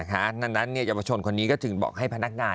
ดังนั้นเยาวชนคนนี้ก็ถึงบอกให้พนักงาน